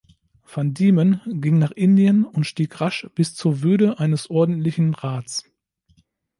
Van Diemen ging nach Indien und stieg rasch bis zur Würde eines ordentlichen Rats.